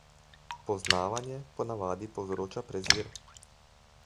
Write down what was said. Poznavanje po navadi povzroča prezir.